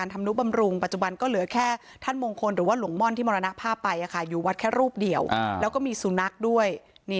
ตอนนี้ก็ไม่มีพระแล้วสิ